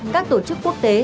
các tổ chức quốc tế